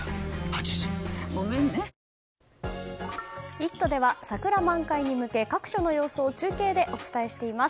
「イット！」では桜満開に向け各所の様子を中継でお伝えしています。